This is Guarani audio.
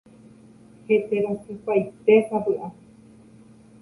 Heterasypaitésapy'a.